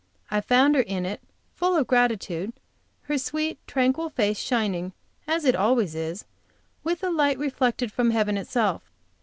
I found her in it, full of gratitude, her sweet, tranquil face shining, as it always is, with a light reflected from heaven itself.